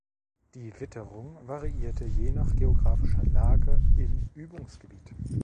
Die Witterung variierte je nach geographischer Lage im Übungsgebiet.